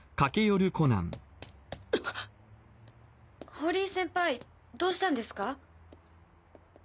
堀井先輩どうしたんですか？